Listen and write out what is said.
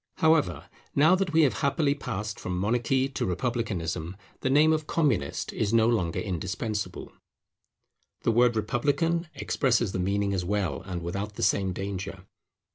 However, now that we have happily passed from monarchy to republicanism, the name of Communist is no longer indispensable; the word Republican expresses the meaning as well, and without the same danger.